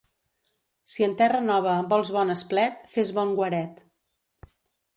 Si en terra nova vols bon esplet, fes bon guaret.